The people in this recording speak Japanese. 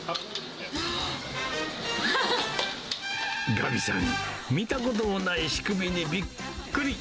ガビさん、見たこともない仕組みにびっくり。